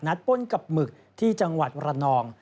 ป้นกับหมึกที่จังหวัดระนอง